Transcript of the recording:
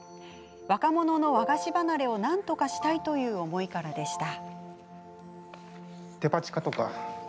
若者の和菓子離れをなんとかしたいという思いからでした。